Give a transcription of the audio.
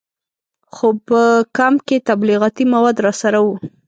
خو په کمپ کې تبلیغاتي مواد راسره وو.